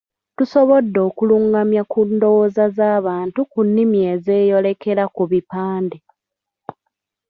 Tusobodde okulungamya ku ndowooza z'abantu ku nnimi ezeeyolekera ku bipande.